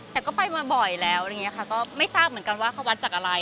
แต่ก็ไปมาบ่อยแล้วไม่ทราบเหมือนกันว่าเค้าวัดจากอะไร